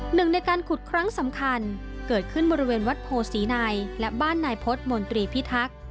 หนึ่งในการขุดครั้งสำคัญเกิดขึ้นบริเวณวัดโพศีในและบ้านนายพฤษมนตรีพิทักษ์